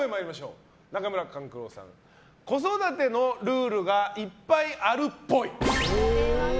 まずは、子育てのルールがいっぱいあるっぽい。